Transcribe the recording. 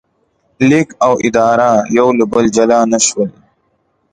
لیک او اداره یو له بله جلا نه شول.